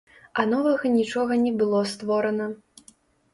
А новага нічога не было створана.